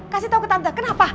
kasih tahu ke tante kenapa